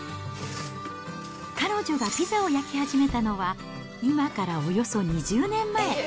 彼女がピザを焼き始めたのは、今からおよそ２０年前。